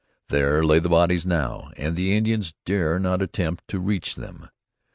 There lay the bodies now, and the Indians dare not attempt to reach them.